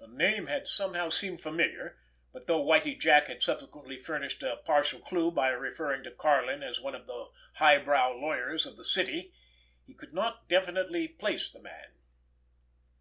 The name had somehow seemed familiar; but though Whitie Jack had subsequently furnished a partial clew by referring to Karlin as one of the high brow lawyers of the city, he could not definitely place the man.